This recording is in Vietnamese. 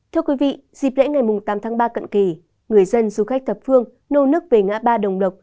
thưa quý vị dịp lễ ngày tám tháng ba cận kỳ người dân du khách thập phương nô nước về ngã ba đồng lộc